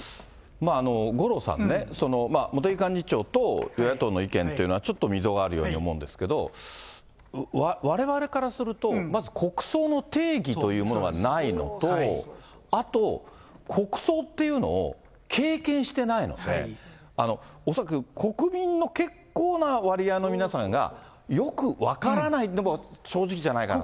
五郎さんね、茂木幹事長と与野党の意見というのはちょっと溝があるように思うんですけど、われわれからすると、まず国葬の定義というものがないのと、あと国葬っていうのを経験してないので、恐らく国民の結構な割合の皆さんが、よく分からないのが正直じゃないかと。